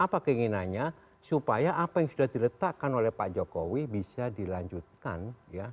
apa keinginannya supaya apa yang sudah diletakkan oleh pak jokowi bisa dilanjutkan ya